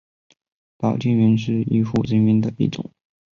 保健员是医护人员的一种。